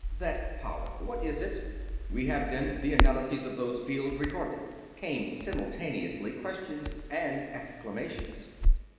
"That power, what is it?" "We have, then, the analyses of those fields recorded!" came simultaneous questions and exclamations.